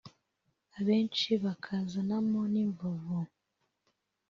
abenshi bakazanamo n’imvuvu